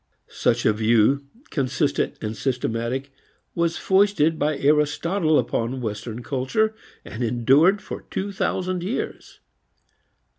Such a view, consistent and systematic, was foisted by Aristotle upon western culture and endured for two thousand years.